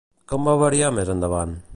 Com va variar més endavant?